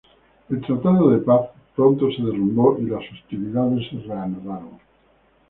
El tratado de paz pronto se derrumbó y las hostilidades se reanudaron.